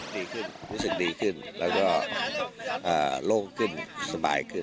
ดีขึ้นรู้สึกดีขึ้นแล้วก็โล่งขึ้นสบายขึ้น